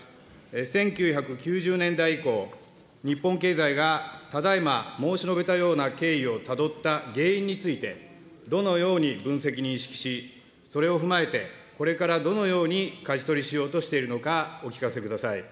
１９９０年代以降、日本経済がただいま申し述べたような経緯をたどった原因について、どのように分析、認識し、それを踏まえて、これからどのようにかじ取りしようとしているのか、お聞かせください。